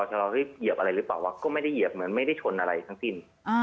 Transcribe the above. แต่เราได้เหยียบอะไรหรือเปล่าว่าก็ไม่ได้เหยียบเหมือนไม่ได้ชนอะไรทั้งสิ้น